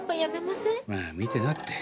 まあ見てなって。